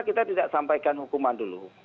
kita tidak sampaikan hukuman dulu